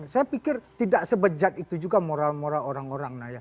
saya pikir tidak sebejat itu juga moral moral orang orang